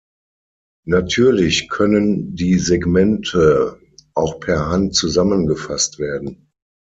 Natürlich können die Segmente auch per Hand zusammengefasst werden.